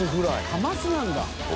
カマスなんだ。